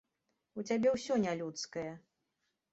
У цябе ўсё нялюдскае.